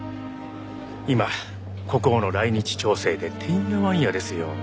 今国王の来日調整でてんやわんやですよ。